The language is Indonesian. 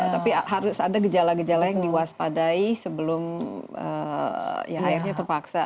tapi harus ada gejala gejala yang diwaspadai sebelum ya akhirnya terpaksa